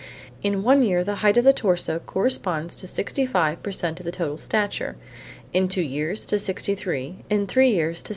In one year the height of the torso corresponds to 65 per cent of the total stature, in two years to 63, in three years to 62.